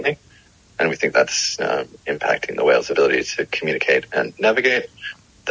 dan kami pikir itu mempengaruhi kemampuan ikan paus untuk berkomunikasi dan bernafas